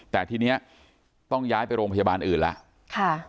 แต่ทีเนี้ยต้องย้ายไปโรงพยาบาลอื่นล่ะค่ะ